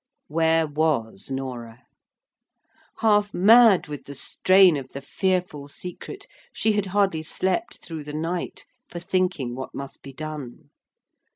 Where was Norah? Half mad with the strain of the fearful secret, she had hardly slept through the night for thinking what must be done.